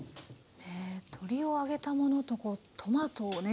鶏を揚げたものとトマトをね